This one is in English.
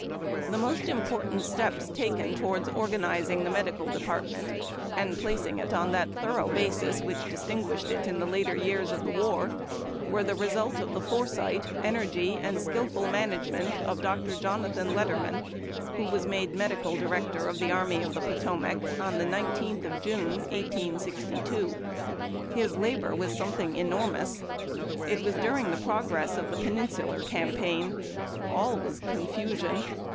The most important steps taken towards organizing the medical department, and placing it on that thorough basis which distinguished it in the later years of the war, were the result of the foresight, energy, and skilful maiiagement of Dr. Jonathan Letterman, who was made medical director of the Army of the Potomac on the 19th of June, 1862. His labor was something enormous. It was during the progress of the Peninsular Campaign. All was confusion.